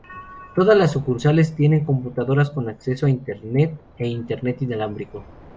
Todas las sucursales tienen computadoras con acceso a internet e internet inalámbrico.